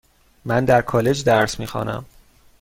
من در کالج درس میخوانم.